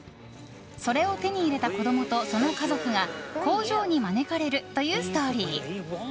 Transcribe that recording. それを手に入れた子供とその家族が工場に招かれるというストーリー。